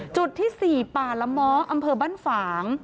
จุดที่๔ป่าละม้ออำเภอบ้านฝาง